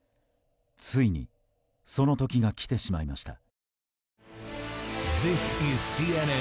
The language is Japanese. ついにその時が来てしまいました。